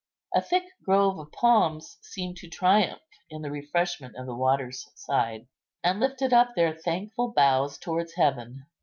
A thick grove of palms seemed to triumph in the refreshment of the water's side, and lifted up their thankful boughs towards heaven.